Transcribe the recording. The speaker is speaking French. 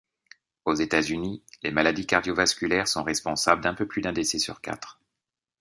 Aux États-Unis, les maladies cardio-vasculaires sont responsables d'un peu plus d'un décès sur quatre.